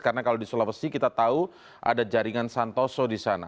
karena kalau di sulawesi kita tahu ada jaringan santoso di sana